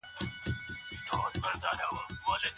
دوستان د قدرت په وخت کي ستا شاوخوا راټولیږي.